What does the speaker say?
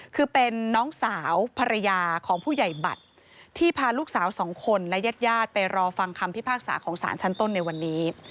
คือเป็นน้องสาวภรรยาของผู้ใหญ่บัตรที่พาลูกสาวสองคนและญาติญาติไปรอฟังคำพิพากษาของสารชั้นต้นในวันนี้